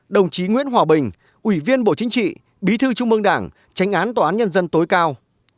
đồng chí nguyễn hòa bình ủy viên bộ chính trị bí thư trung mương đảng tránh án tòa án nhân dân tối cao